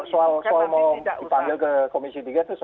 soal mau dipanggil ke komisi tiga itu soal lain lah itu